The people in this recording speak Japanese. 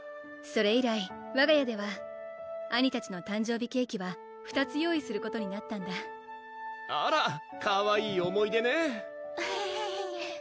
それ以来わが家では兄たちの誕生日ケーキは２つ用意することになったんだあらかわいい思い出ねぇ・・・